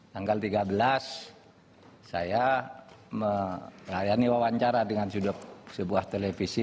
tanggal tiga belas saya melayani wawancara dengan sebuah televisi